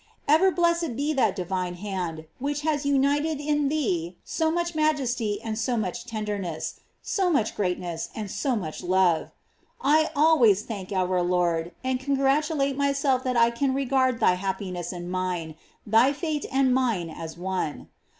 Ever blessed be that divine hand which has united in thee so much majesty and so much tenderness, so much greatness and so much love! I always thank our Lord, and congratu late myself that I can regard thy happiness and mine, thy fate and mine as one.